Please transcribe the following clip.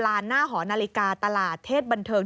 หน้าหอนาฬิกาตลาดเทศบันเทิง